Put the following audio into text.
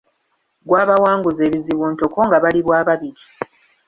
Gwabawanguza ebizibu ntoko nga bali bwababiri.